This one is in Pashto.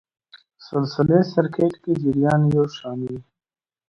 سلسلې سرکټ کې جریان یو شان وي.